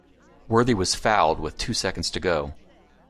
Worthy was fouled with two seconds to go.